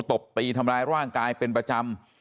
ตบตีทำร้ายร่างกายเป็นประจำ